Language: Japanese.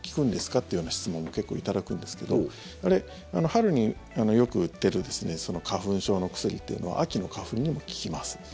っていうような質問を結構頂くんですけど春によく売ってる花粉症の薬っていうのは秋の花粉にも効きます。